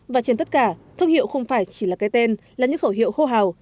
và trên tất cả thương hiệu không phải chỉ là cái tên là những khẩu hiệu khô hào